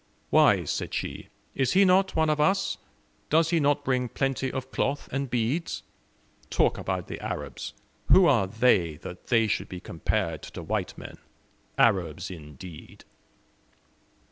"Why," said she, "is he not one of us? Does he not bring plenty of cloth and beads? Talk about the Arabs! Who are they that they should be compared to white men? Arabs, indeed!"